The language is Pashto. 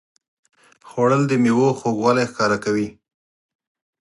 خوړل د میوو خوږوالی ښکاره کوي